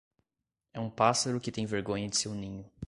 É um pássaro que tem vergonha de seu ninho.